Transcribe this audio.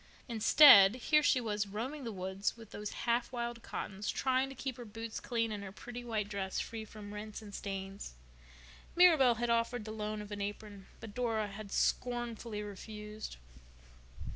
Instead, here she was roaming the woods with those half wild Cottons, trying to keep her boots clean and her pretty white dress free from rents and stains. Mirabel had offered the loan of an apron but Dora had scornfully refused.